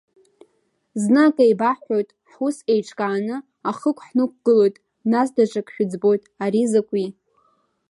Зны акы еибаҳҳәоит, ҳус еиҿкааны, ахықә ҳнықәгылоит, нас даҽак шәыӡбоит, ари закәи?